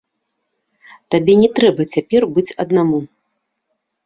Табе не трэба цяпер быць аднаму.